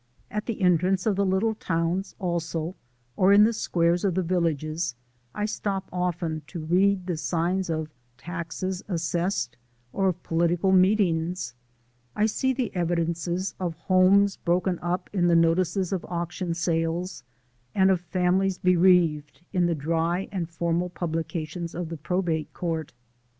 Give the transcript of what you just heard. At the entrance of the little towns, also, or in the squares of the villages, I stop often to read the signs of taxes assessed, or of political meetings; I see the evidences of homes broken up in the notices of auction sales, and of families bereaved in the dry and formal publications of the probate court.